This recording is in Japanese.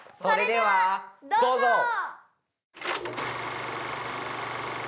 それではどうぞ！